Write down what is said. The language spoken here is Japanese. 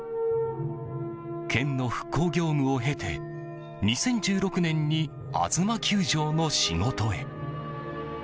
県の復興業務を経て２０１６年にあづま球場の仕事へ。